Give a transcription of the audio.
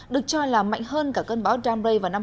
được cho là mạnh hơn cả cơn bão damre và năm hai nghìn một mươi bảy